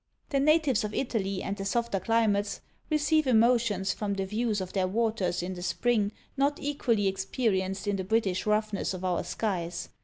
The natives of Italy and the softer climates receive emotions from the view of their WATERS in the SPRING not equally experienced in the British roughness of our skies.